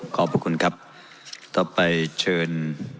ขอบพระคุณครับต่อไปเชิญ